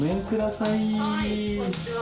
はいこんにちは。